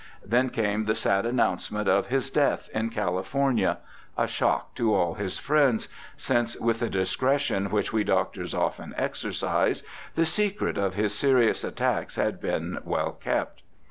Then came the sad announcement of his death in California — a shock to all his friends, since, with the discretion which we doctors often exercise, the secret of his serious attacks had been well kept.